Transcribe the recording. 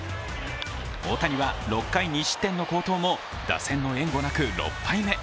大谷は６回２失点の好投も打線の援護なく、６敗目。